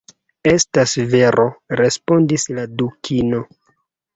"Estas vero," respondis la Dukino.